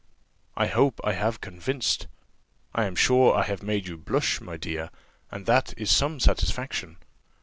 I hope I have convinced, I am sure I have made you blush, my dear, and that is some satisfaction.